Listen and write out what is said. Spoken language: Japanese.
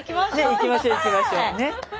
行きましょう行きましょう。